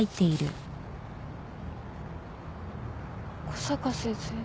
小坂先生